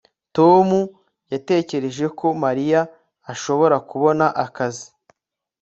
tom yatekereje ko mariya ashobora kubona akazi